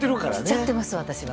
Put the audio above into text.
しちゃってます私は。